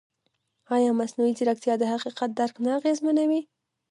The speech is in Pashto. ایا مصنوعي ځیرکتیا د حقیقت درک نه اغېزمنوي؟